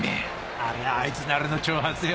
ありゃあいつなりの挑発よ。